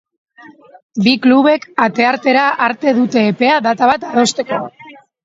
Bi klubek ateartera arte dute epea data bat adosteko.